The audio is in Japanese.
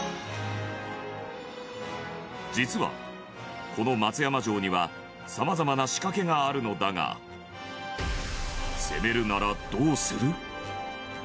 実は、この松山城にはさまざまな仕掛けがあるのだが攻めるなら、どうする？